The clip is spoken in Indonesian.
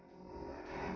kabur lagi kejar kejar kejar